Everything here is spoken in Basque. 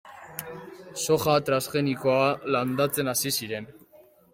Soja transgenikoa landatzen hasi ziren.